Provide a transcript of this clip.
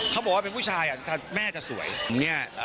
เขาบอกว่าเป็นผู้ชายอะแม่จะสวย